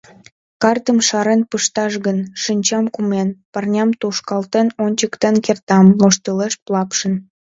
Картым шарен пышташ гын, шинчам кумен, парням тушкалтен ончыктен кертам, — воштылеш Лапшин.